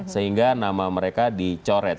sehingga nama mereka dicoret